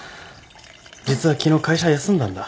実は昨日会社休んだんだ。